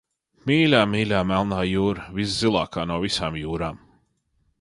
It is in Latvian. Mīļā, mīļā Melnā jūra, viszilākā no visām jūrām!